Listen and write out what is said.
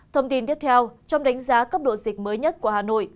thông tin tiếp theo trong đánh giá cấp độ dịch mới nhất của hà nội